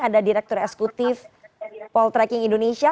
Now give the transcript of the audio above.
ada direktur eksekutif poltreking indonesia